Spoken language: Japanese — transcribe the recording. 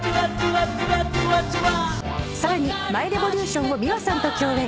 さらに『ＭｙＲｅｖｏｌｕｔｉｏｎ』をｍｉｗａさんと共演。